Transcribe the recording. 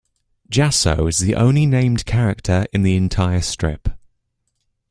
Jasso is the only named character in the entire strip.